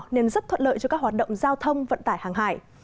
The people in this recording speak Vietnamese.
nên rất thuận lợi cho các hoạt động giao thông vận tải hàng hải